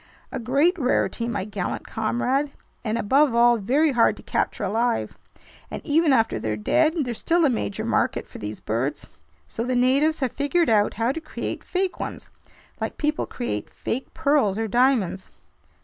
"A great rarity, my gallant comrade, and above all very hard to capture alive. And even after they're dead, there's still a major market for these birds. So the natives have figured out how to create fake ones, like people create fake pearls or diamonds."